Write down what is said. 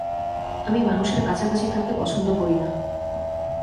আমি মানুষের কাছাকাছি থাকতে পছন্দ করি না।